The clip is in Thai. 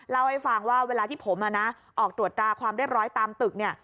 เล่าให้ฟังว่าเวลาที่ผมออกตรวจตราความเรียบร้อยตามตึกเนี่ย